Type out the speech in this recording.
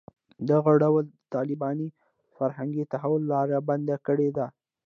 دغو ډلو د طالباني فرهنګي تحول لاره بنده کړې ده